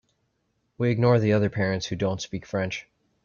We ignore the other parents who don’t speak French.